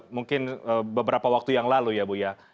mungkin beberapa waktu yang lalu ya bu ya